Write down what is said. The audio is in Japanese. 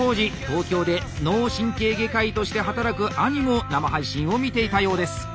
東京で脳神経外科医として働く兄も生配信を見ていたようです。